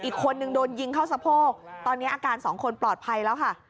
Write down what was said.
อีกคนนึงโดนยิงเข้าสะโพกตอนนี้อาการสองคนปลอดภัยแล้วค่ะ